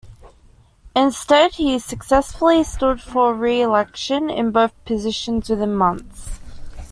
Instead, he successfully stood for re-election in both positions within months.